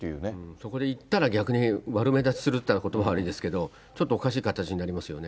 そこで行ったら逆に、悪目立ちするって言ったら、ことば悪いですけれども、ちょっとおかしい形になりますよね。